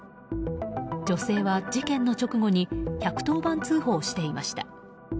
女性は事件の直後に１１０番通報していました。